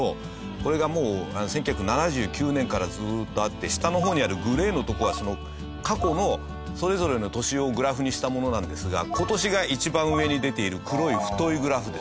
これが１９７９年からずーっとあって下の方にあるグレーのとこは過去のそれぞれの年をグラフにしたものなんですが今年が一番上に出ている黒い太いグラフです。